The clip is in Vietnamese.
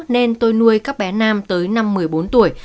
nên tôi nuôi các bé nam tới năm một mươi bốn tuổi